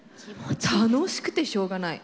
楽しくてしょうがない。